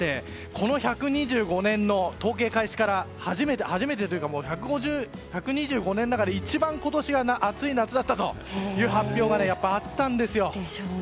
この１２５年の統計開始から初めてというか１２５年の中で一番、今年が暑い夏だったという発表があったんですよ。